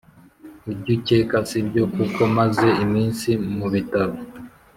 Ibyucyeka sibyo kuko maze iminsi mubitaro